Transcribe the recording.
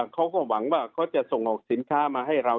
เขาก็หวังว่าเขาจะส่งออกสินค้ามาให้เรา